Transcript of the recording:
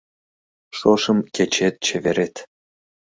Шошым кечет чеверет